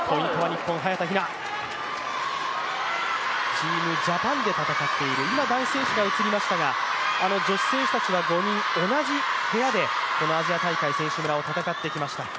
チームジャパンで戦っている、今、男子選手が映りましたが、あの女子選手たちは５人、同じ部屋でアジア大会、選手村を戦ってきました。